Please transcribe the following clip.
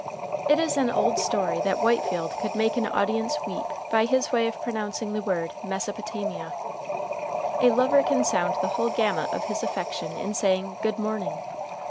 It is an old story that Whitefield could make an audience weep by his way of pronouncing the word Mesopotamia. A lover can sound the whole gamut of his affection in saying Good morning.